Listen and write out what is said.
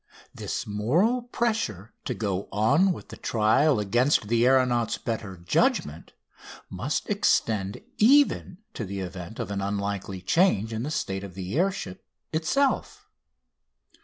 Again, this moral pressure to go on with the trial against the aeronaut's better judgment must extend even to the event of an unlucky change in the state of the air ship itself.